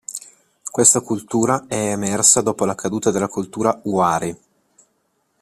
Questa cultura è emersa dopo la caduta della Cultura Huari.